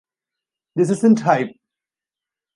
This isn't hype.